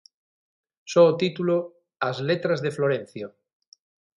So o título "As letras de Florencio".